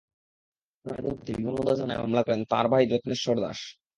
ঘটনার দিন রাতে বিমানবন্দর থানায় মামলা করেন তাঁর ভাই রত্নেশ্বর দাশ।